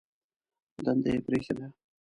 دنده یې پرېښې ده.